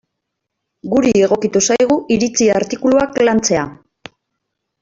Guri egokitu zaigu iritzi artikuluak lantzea.